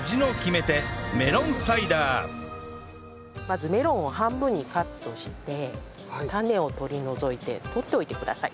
まずメロンを半分にカットして種を取り除いて取っておいてください。